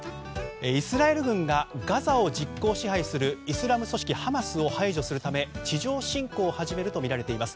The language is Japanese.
イスラエル軍がガザを実効支配するイスラム組織ハマスを排除するため地上侵攻を始めるとみられています。